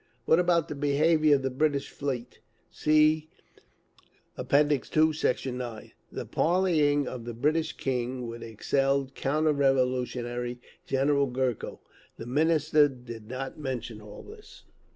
What about the behaviour of the British fleet? (See App. II, Sect. 9) The parleying of the British king with exiled counter revolutionary General Gurko? The Minister did not mention all this.)